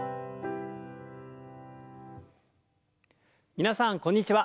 皆さんこんにちは。